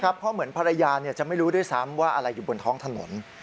เพราะเหมือนภรรยาจะไม่รู้ด้วยซ้ำว่าอะไรอยู่บนท้องถนน